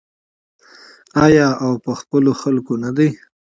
آیا او په خپلو خلکو نه ده؟